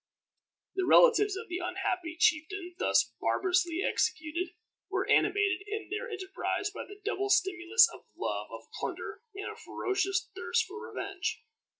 The relatives of the unhappy chieftain thus barbarously executed were animated in their enterprise by the double stimulus of love of plunder and a ferocious thirst for revenge.